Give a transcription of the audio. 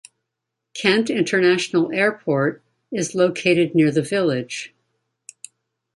Kent International Airport is located near the village.